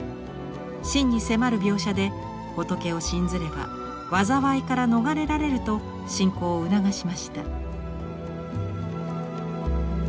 真に迫る描写で仏を信ずれば災いから逃れられると信仰を促しました。